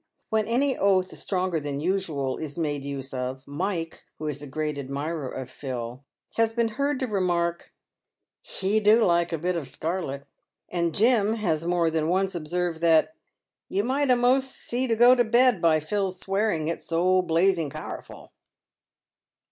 "When any oath stronger than usual is made use of, Mike, who is a great admirer of Phil, has been heard to remark, " He do like a bit of scarlet ;" and Jim has more than once observed, that " Tou might a'most see to go to bed by Phil's swear ing, it's so blazing powerful."